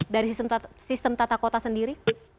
dari sistem tata kota sendiri